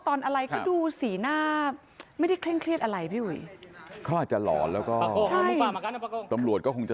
อะไรก็ดูสีหน้าไม่ได้เคร่งเครียดอะไรพี่อุ๋ยเขาอาจจะหลอนแล้วก็ตำรวจก็คงจะ